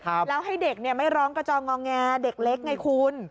แล้วให้เด็กเนี่ยไม่ร้องกระจองงอแงเด็กเล็กไงคุณ